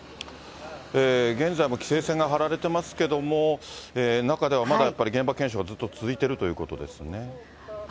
現在も規制線が張られてますけれども、中ではまだやっぱり現場検証がずっと続いているということですね。